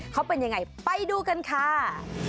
เขาเป็นยังไงไปดูกันค่ะ